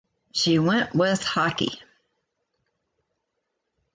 She went with hockey.